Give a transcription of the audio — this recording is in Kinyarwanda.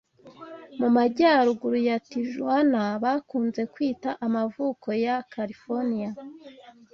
mu majyaruguru ya Tijuwana bakunze kwita Amavuko ya Californiya